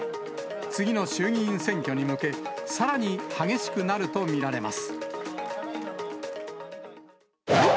次の衆議院選挙に向け、さらに激しくなると見られます。